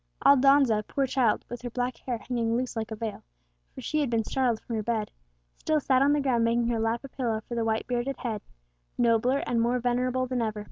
Aldonza, poor child, with her black hair hanging loose like a veil, for she had been startled from her bed, still sat on the ground making her lap a pillow for the white bearded head, nobler and more venerable than ever.